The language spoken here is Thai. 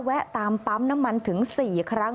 แวะตามปั๊มน้ำมันถึง๔ครั้ง